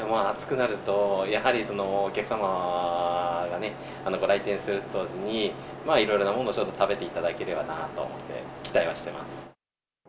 暑くなると、やはりお客様がね、ご来店すると同時に、いろいろなものを食べていただければなと思って、期待はしてます。